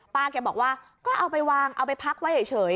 แกบอกว่าก็เอาไปวางเอาไปพักไว้เฉย